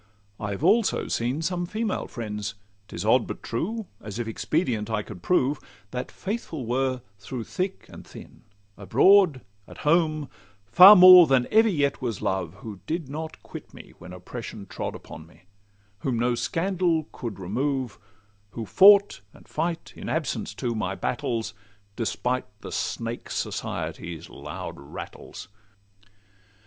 I've also seen some female friends ( 'tis odd, But true—as, if expedient, I could prove) That faithful were through thick and thin, abroad, At home, far more than ever yet was Love— Who did not quit me when Oppression trod Upon me; whom no scandal could remove; Who fought, and fight, in absence, too, my battles, Despite the snake Society's loud rattles.